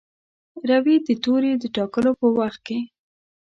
روي د توري د ټاکلو په وخت کې.